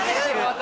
私。